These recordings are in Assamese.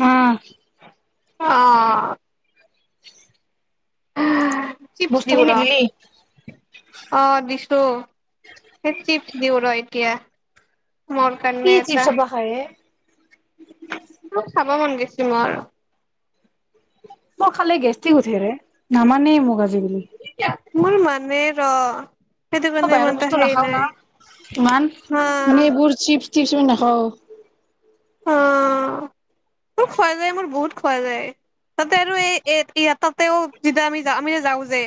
উম। অ'। চিপ্চ বস্তু দিওঁ ৰ' খিনি দিলি অ', দিছো, সেই চিপ্চ দিওঁ ৰ এতিয়া। মোৰ কি কাৰণে এটা চিপ্চখপা খাই এ। মোক চাব মন গেছি মৰ। মই খালে গেষ্টিক উঠে ৰে, নামানেই মোক আজি মোৰ মানে ত'। বাহিৰৰ বস্তু নাখাও না, ইমান হা মানে এইবোৰ চিপ্চ চিপ্চ আমি নাখাওঁ। অ', মোৰ খোৱা যায় মোৰ বহুত খোৱা যায়। তাতে আৰু এই-এই তাতেও যেতিয়া আমি-আমি যাও যে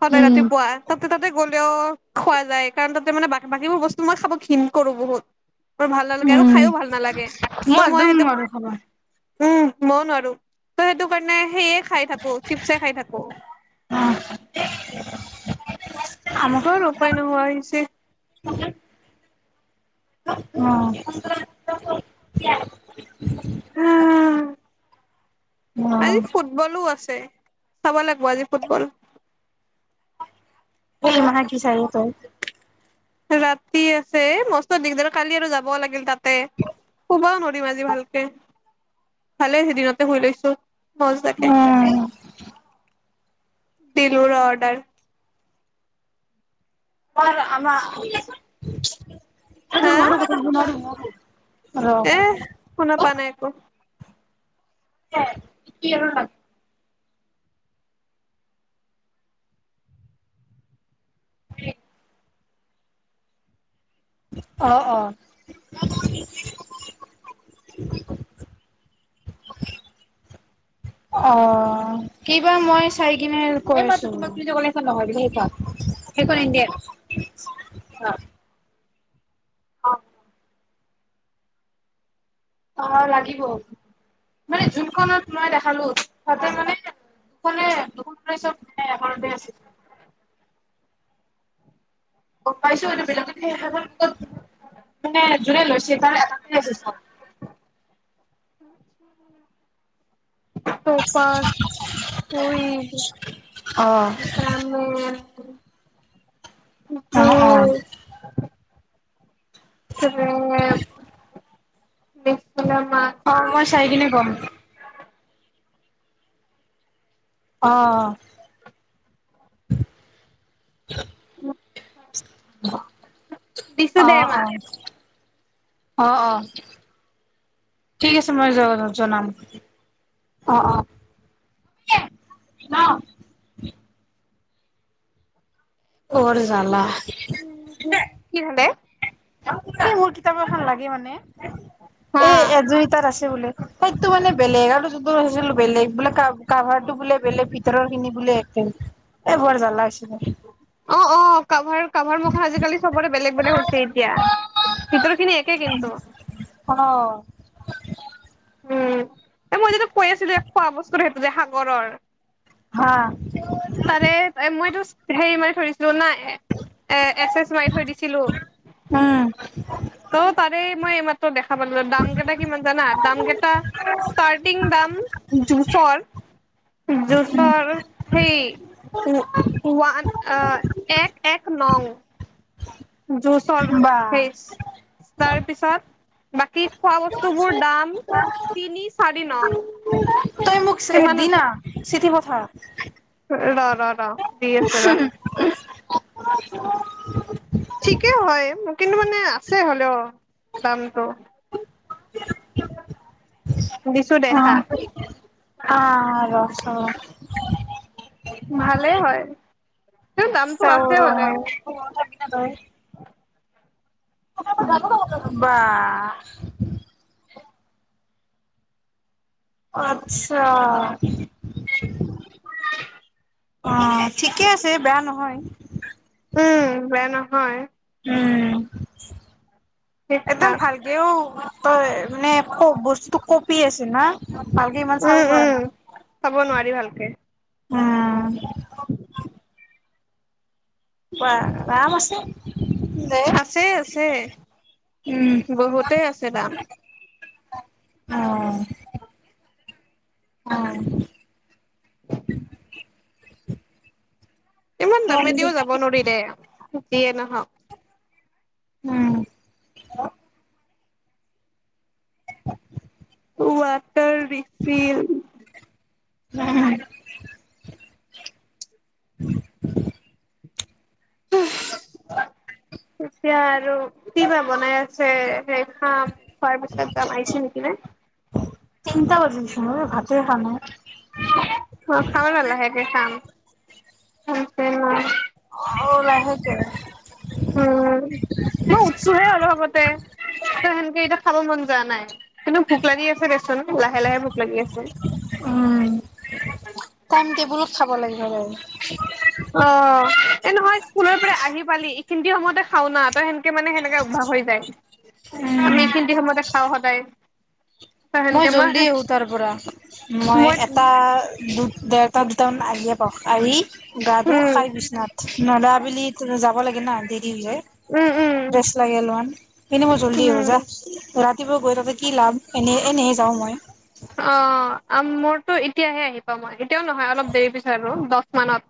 সদায় উম ৰাতিপুৱা। তাতে তাতে গ'লেও খোৱা যায় কাৰণ তাতে মানে বা-বাকীবোৰ বস্তু মই খাব ঘৃণ কৰো বহুত। মোৰ ভাল নালাগে আৰু উম খাইও ভাল নালাগে। মই ত' একদম সেইটো নোৱাৰো খাবা। উম, মইও নোৱাৰো তই সেইটো কাৰণে সেয়ে খাই থাকো, চিপ্চ খাই থাকো। অ আমাৰ তোৰ উপাই নোহোৱা হৈছে। অ'। হুম। আজি অ ফুটবলো আছে, চাব লাগিব আজি ফুটবল। [unintelligible] চাৰি তই। ৰাতি আছে মস্ত দিগদাৰ কালি আৰু যাব লাগিল তাতে। শুবও নোৱাৰিম আজি ভালকে। ভালে দিনতে শুই লৈছোঁ মজাকে। উম দিলো ৰ' অৰ্ডাৰ। আৰু আমা [inaudible] হা হয় এ, শুনা পোৱা নাই। ক কি [inaudible] অ', অ। অ', কিবা মই চাই কিনে কৈ আছোঁ [unintelligible] সেইখন ইণ্ডিয়ান, অ'। অ', লাগিব। মানে যোনখনত মই দেখালো, তাতে মানে ক'লে [unintelligible] এঘৰতে আছে। গম পাইছোঁ এইটো বেলেগতকে [unintelligible] মানে জোনেই লৈছিল তাৰ এটা [unintelligible] হৈছে। তপাচ, স্ক্ৰুৰি, অ'। তামে অ', অ'। জুচ, [inaudible] [inaudible] অ', মই চাই কিনে কম। অ'। দিছো দে অ', মাক অ'। অহ অ'। ঠিক আছে মই য-জনাম অ', অ'। বৰ জালা। কি হ'লে? মোৰ কিতাপ এখন লাগে মানে। হা এ, একযুৰি তাত আছে বোলে, সেইটো মানে বেলেগ আৰু জু [unintelligible] বেলেগ বোলে কা-কাভাৰতো বোলে বেলেগ ভিতৰৰখিনি বোলে একে। এই বৰ জালা হৈছি দে। অ', অ', কাভাৰ কাভাৰ মখা আজিকালি চবৰে বেলেগ বেলেগ হৈছে এতিয়া। ভিতৰৰখিনি একে কিন্তু। অ উম, এ মই যিটো কৈ আছিলোঁ, খোৱা বস্তুৰ সেইটো যে সাগৰৰ। হা। তাৰে মইতো হেৰি মানে ধৰিছিলোঁ নাই। এ, এ, এচেছ মাৰি থৈ দিছিলোঁ। উম ত' তাৰে মই এই মা ত' দে খাব ল দাম কেইটা কিমান জানা? দাম কেইটা, ষ্টাৰ্টিং দাম জুচৰ জুচৰ হেই, ও-ওৱান অ, এক এক নং। জুচৰ বা সেচ তাৰপিছত বাকী খোৱা বস্তুবোৰ দাম, তিনি চাৰি নং। তই মোক চে সিমান দিনা চিঠি ব হা। ৰ' ৰ' ৰ'। দি আছো ৰ [inaudible] উম। ঠিকে হয় কিন্তু মানে আছে হ'লেও। দামটো, দিছোঁ দে অ চা। আ ৰ চাও ভালেই হয়। কিন্তু দামটো আছে চাওঁ ৰ' হ'লেও মইয়ো [inaudible] [inaudible] তই বাহ। আত্ছা। অ' ঠিকে আছে, বেয়া নহয়। উম, বেয়া নহয়। উম ঠিক একদম ঠাক ভালকেও তয়ে মানে খ- বস্তু কপি আছ না? ভালকে ইমান চাব উম পাৰা উম নাই। চাব নোৱাৰি ভালকে উম। কোৱা দাম আছে। দে আছে আছে উম বহুতে আছে দাম। অ'। অ'। [inaudible] হ [inaudible] ইমান দামি দিও যাব নোৱাৰি দে। যিয়ে নহওক। উম। [inaudible] কোৱা? তাৰ ৰিফিল। [unintelligible] এতিয়া আৰু কি বা বনাই আছে? যে সেই খাম খোৱাৰ পিছত আহিছোঁ নেকি নে? তিনটা বাজিল চোন অ' ভাতে খোৱা নাই। অ' খাম আৰু লাহেকে খাম। চক পেইন নাই অহ' লাহেকে উম, মই উঠছোহে অলপ আগতে সেনকে এতিয়া খাব মন যোৱা নাই। কিন্তু ভোক লাগি আছে দেচোন। লাহে লাহে ভোক লাগি আছে উম, টাইম টেবুলত খাব লাগে সদায় এই নহয় স্কুলৰ পৰা আহি পালি খিন্তি সময়তে খাওঁ না তই সেনেকে মানে সেনেকে অভ্যাস হৈ যায়। উম আমি খিন্তি সময়তে খাওঁ সদায়। ত মই সেনকে জল্দি আহোঁ তাৰ পৰা, মই এটা দুটা দেগ [unintelligible] আৰি গাটো উম খাই পছনা নদা বুলি যাব লাগে ন দি কি যে উম উম ৰেষ্ট লাগে অলমান এনে মই জল্দি হ'ব যা উম ৰাতিপুৱা গৈ তাতে কি লাম এনে এনেই যাওঁ মই অ মোৰতো এতিয়াহে আহি পাামগে এতিও নহয় অলপ দেৰি পিছে আৰু দহ মানত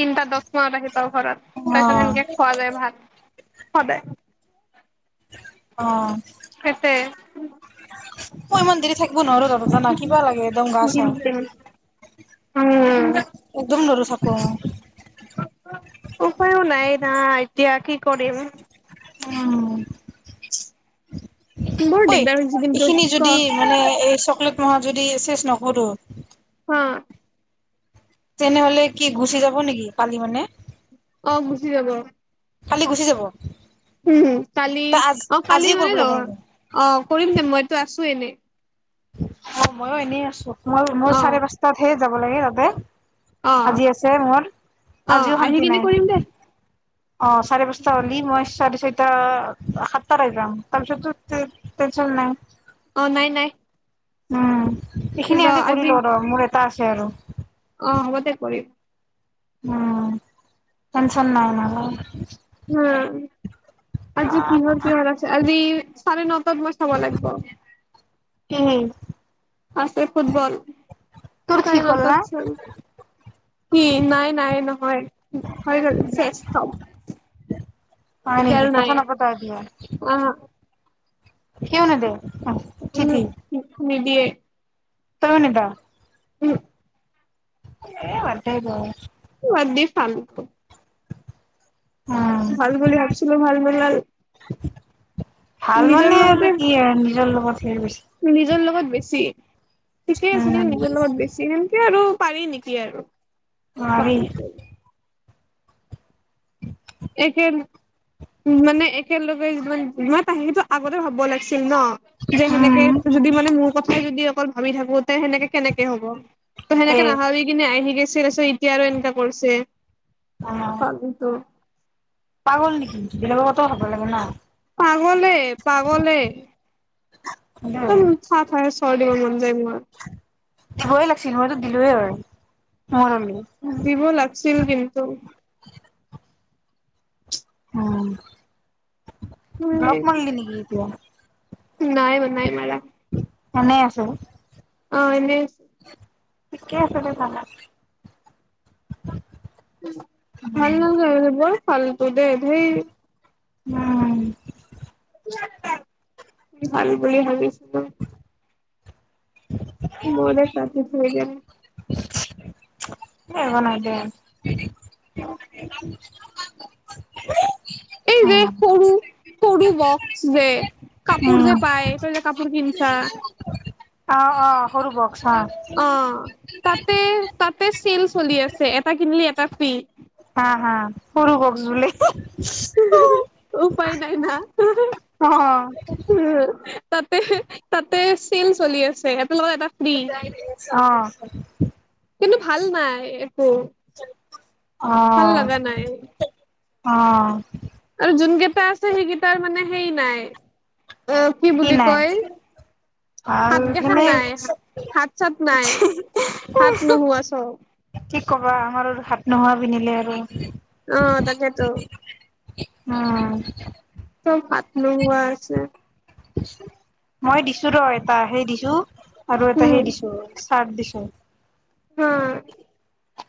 তিনিটা দ মানত আহিব ঘৰত অ তাৰ পিছত সেনেকে খোৱা যায় ভাল সদায় অ সেইটোৱে মই মন্দিৰ থাকিব নোৱাৰো তাতো জানা কিবা লাগে একদম গা চা উম একদম নৰু থাকব অ উপায়ো নাই না এতিয়া কি কৰিম উ বৰ ঐ দিগদাৰ হৈছে কিন্তু এইখিনি ক যদি মানে এই চকলেট অ যদি শেষ নকৰো অ তেনেহলে কি গুচি যাব নেকি কালি মানে অ ম গুচি যাব কালি গুচি যাব উম কালি ত আজ অ কালি আজিয়ে মানে কৰিব ধ লাগিব অ কৰিম দে মইটো আছো এনেই অ মইো এনেই আছো মই মোৰ চাৰে পচটাত সে যাব লাগে তাতে আহ আজি আছে মোৰ আহ আজিও আহি শান্তি পিনি নাই কৰিম দে অ চাৰে পাঁচটা হ'লি মই চাৰে ছয়িটা সাতটাৰে যাম তাৰপিছত টেনচন নাই অ নাই নাই উম এইখিনি আজি কৰিলো ৰ মোৰ এটা আছে খেলো অ হ'বতে কৰিম উম কন চন নাৱনাল উম আজি কিহাৰ কিহাৰ আছে আজি চাৰে নটাত ছাব লাগিব হুহুম আছে ফুটবল তোৰ চাৰে ঠিক হ'ল না। নটাত চাম। কি নাই- নাই নহয়। হৈ গ'ল চেছ চব। হয় এতিয়া নেকি আৰু নাই। কথা নাপাত এতিয়া। এতিয়াও নেদে চিঠি [unintelligible] দিয়ে। তইও নেদ। উম। এ বাদদে এইবোৰ আৰু। [unintelligible] উম ভাল বুলি ভাবছিলো ভাল বুলি, ভাল নিজৰ মানে আৰু লগতে, কি আৰু নিজৰ লগত হেৰি গৈছে নিজৰ লগত বেছি। ঠিকেই আছে, উম কিন্তু নিজৰ লগত বেছি সেনকে আৰু পাৰি নেকি আৰু। নোৱাৰি [unintelligible] একে মানে একেলগে যিমান [unintelligible] সেইটো আগতে ভাবব লাগিছ চিল ন, যে সেনেকে উম যদি মানে মোৰ কথাই যদি অকল ভাবি থাকু তে সেনেকে কেনেকে হ'ব, ত' দে সেনেকে নাভাবি কিনে আহি গৈ চিলে চ', এতিয়া আৰু এনেকা কৰিছে। অ পাগলটো। পাগল নিকি বেলেগৰ [unintelligible] ন। পাগলেই-পাগলেই, একদম না [unintelligible] চৰ দিব মন যায় মোৰ [inaudible] দিবই লাগিছিল, মইতো দিলোৱে হয়। দিব লাগছিল কিন্তু। উম। ব্লক মাৰলি নেকি এতিয়া। নাই ম নাই মাৰা। এনেই আছে। অঁ এনে। ঠিকে আছে দে ভাল [unintelligible] ভাল নালগে আৰু সেইবোৰ। ফালতু দে ধেই। উম। ক'ত যাম। আমি ভাল বুলি ভাবিছিলোঁ। বৌৱেৰক কাটি থৈয় গেল এই ৰহ না দে এই যে উম সৰু সৰু বকছ যে। কাপোৰ যে পায়, তই যে কাপোৰ কিনিছ্ তা অ' - অ' সৰু ব অ'। তাতে- তাতে ছেল চলি আছে। এটা কিনলি এটা ফ্ৰী। হা - হা, সৰু হক বুলি। উপায় নাই না। উম অ'। তাতে- তাতে ছেল চলি আছে। লগত এটা ফ্ৰী অ'। কিন্তু ভাল নাই একো। অ ভাল লাগা নাই। অ'। আৰু যোনকেইটা আছে, সেইকেইটাৰ মানে সেই নাই অ'- কি বুলি কয়, ভাল হাত কেইখান এনে নাই, হাত-চাত নাই, হাত নোহোৱা চব। কি ক'বা আমাৰ আৰু হাত নোহোৱা পিন্ধিলে আৰু। অ' তাকেইেতো। উম। চব হাত নোহোৱা আছে। মই দিছো ৰ এটা সেই দিছোঁ। আৰু এটা উম হেই দিছোঁ। চাৰত দিছোঁ। হা।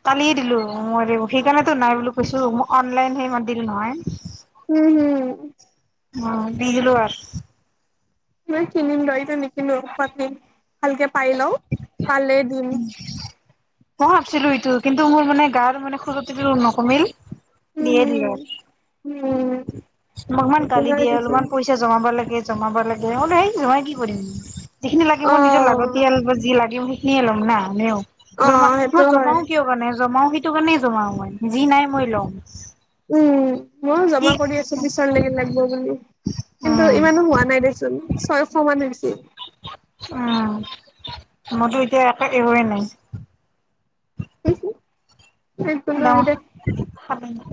কালিয়ে দিলো মই সেইকাৰণেতো নাই বুলি কৈছো মই অনলাইনহে ইমান দিলো নহয়। উম হম। অ' দি দিলোঁ আৰু। মই কিনিম ৰ ইতিয়া নিকিনো পত্নী ভালকে পাই লওঁ। পালে দিম। মই ভাবছিলো এইটো কিন্তু মোৰ মানে গাৰ মানে খূৰতিটো ন কমিল। উম, উম, উম, উম, মোক ইমান গালি দিয়ে অলপমান পইচা জমাব লাগ এ জমাব লাগে [unintelligible] বলে হেই জমাই কি কৰিম? যিখিনি লাগে অ মোৰ নিজৰ লাগতিয়াল বা যি লাগে [unintelligible] ন লম ন নেও অ জমা সেইটো মই হয় জমাও কিয় কাৰণে জমাও সটো কাৰণে জমাও মই যি নাই মই ল'ম। উম মই কি জমা কৰি আছো পিছৰ লকে লাগিব বুলি কিন্তু উম ইমানো হোৱা নাই দেচোন ছয়শ মান হৈছে। উম মইতো এতিয়া এক একোৱেই নাই। কছো [inaudible] নহ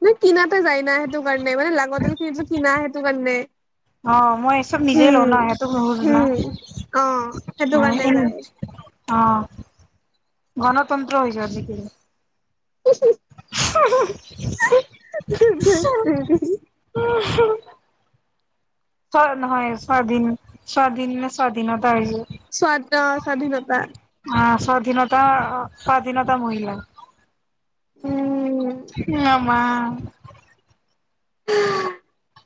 মানে কিনাতে যায় ন সেইটো! ণ মানে লাগতিয়াল কিনা সেইটো কাৰণে অ মই চব হ নিজে লওঁ ন সেইটো নোখোজো না অঁ সেইটো কাৰণে যায়। অ গণতন্ত্ৰ হৈ যজিক হম হম! উম উম হম হম [unintelligible] হয় স্বাধীন স্বাধীন নে স্বাধীনত। স্বাদ স্বাধীনতা। আহ স্বাধীনতা স্বাধীনতা মহিলা উম ন মা [unintelligible]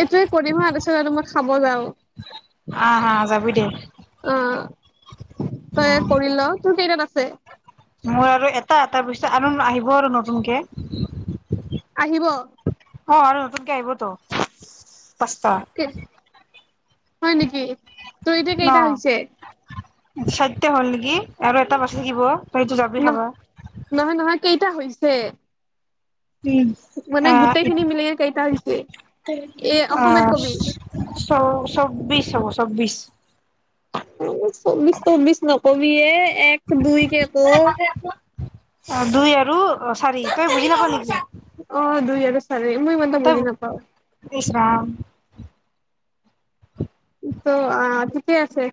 এইটোৱে কৰিম হা তাৰপাছত আৰু মই খাব যাও আহ হা যাবি দে অ তই কৰি ল তোৰ কেইটাত আ ছে মোৰ আৰু এটা এটা পিছে আৰু আহিব আৰু নতুনকে আহিব অ আৰু নতুনকে আহিবতো পাচটা হয় নেকি তই এতিয়া কেইটা হৈছে? চেধ্য হ'ল নেকি আৰু এটা বাচি থাকিব তই তো জাবি ন খাবা নহয় নহয় কেইটা হৈছে। উম, মানে আহ গোটেই খিনি মিলি কেইটা হৈছে এ অসমীয়াত অহ কবি ' চ চৌবিশ হব। চব্বিছ চৌবিছ চৌবিছ নকবি এ এক দুই কে অহ ', ক [unintelligible] দুই আৰু চাৰি তই বহি নখ লাগি অহ ', দুই আৰু চাৰি মই মানত বুজি নাপাওঁ। ইচ ৰাম ত' আহ, ঠিক আছে।